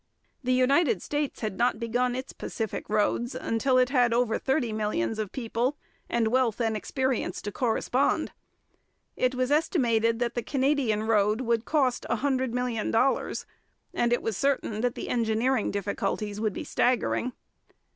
The United States had not begun its Pacific roads till it had over thirty millions of people, and wealth and experience to correspond. It was estimated that the Canadian road would cost $100,000,000, and it was certain that the engineering difficulties would be staggering.